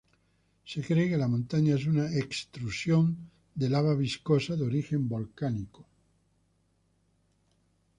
Se cree que la montaña es una extrusión de lava viscosa de origen volcánico.